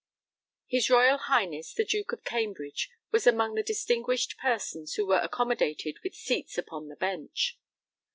His Royal Highness the Duke of Cambridge was among the distinguished persons who were accommodated with seats upon the bench.